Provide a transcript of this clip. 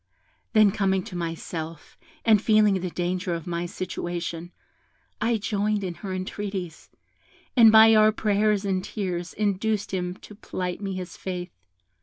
Then coming to myself, and feeling the danger of my situation, I joined in her entreaties, and by our prayers and tears induced him to plight me his faith.